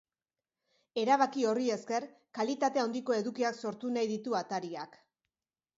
Erabaki horri esker, kalitate handiko edukiak sortu nahi ditu atariak.